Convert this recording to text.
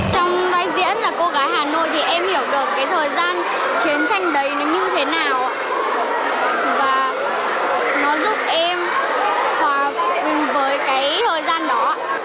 và nó giúp em hòa bình với cái thời gian đó